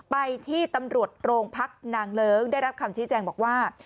ไปที่ตำรวจโรงพักนางเลิ้งได้รับคำชี้แจงบอกว่า